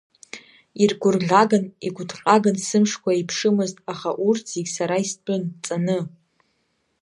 Иргәырӷьаган, игәыҭҟьаган сымшқәа еиԥшымызт, аха урҭ зегь сара истәын, ҵаны…